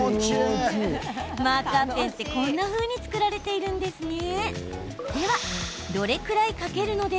マーカーペンってこんなふうに作られているんですね。